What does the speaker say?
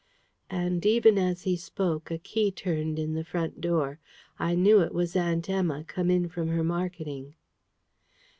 And even as he spoke a key turned in the front door. I knew it was Aunt Emma, come in from her marketing.